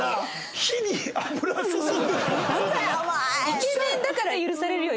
イケメンだから許されるよ